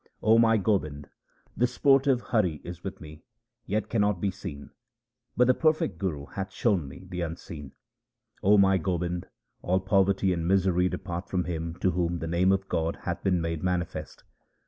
O my Gobind, the sportive Hari is with me, yet cannot be seen ; but the perfect Guru hath shown me the Unseen. O my Gobind, all poverty and misery depart from him to whom the name of God hath been made manifest.